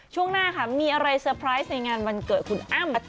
ช่วงหน้าค่ะมีอะไรเซอร์ไพรส์ในงานวันเกิดคุณอ้ำ